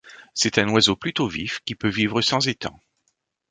C'est un oiseau plutôt vif qui peut vivre sans étang.